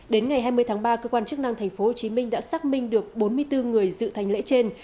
đến ngày hai mươi tháng ba cơ quan chức năng tp hcm đã xác minh được bốn mươi bốn người dự thanh lễ trên